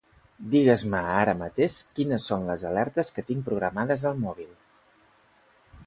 Digues-me ara mateix quines són les alertes que tinc programades al mòbil.